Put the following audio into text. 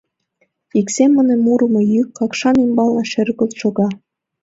Ик семын мурымо йӱк Какшан ӱмбалне шергылт шога.